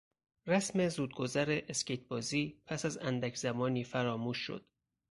رسم زودگذر اسکیت بازی پس از اندک زمانی فراموش شد.